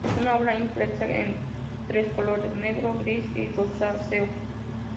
Es una obra impresa en tres colores: negro, gris y rosáceo.